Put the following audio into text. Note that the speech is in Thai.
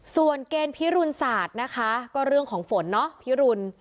ส่วนเกณฑ์พิรุณศาสตร์นะคะก็เรื่องของฝนเนาะพิรุณ